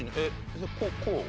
こう？